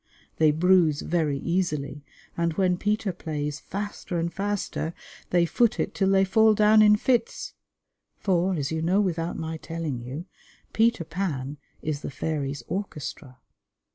They bruise very easily and when Peter plays faster and faster they foot it till they fall down in fits. For, as you know without my telling you, Peter Pan is the fairies' orchestra.